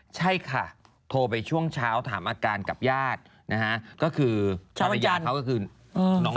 ใช่ค่ะโทรไปช่วงเช้าถามอาการกับญาตินะฮะก็คือภรรยาเขาก็คือน้อง